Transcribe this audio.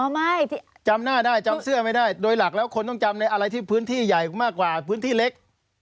ไม่จำหน้าได้จำเสื้อไม่ได้โดยหลักแล้วคนต้องจำในอะไรที่พื้นที่ใหญ่มากกว่าพื้นที่เล็ก